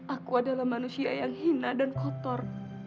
aku adalah manusia yang hina dan kotor